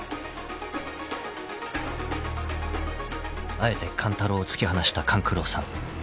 ［あえて勘太郎を突き放した勘九郎さん］